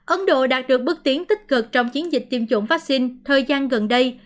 ấn độ đạt được bước tiến tích cực trong chiến dịch tiêm chủng vaccine thời gian gần đây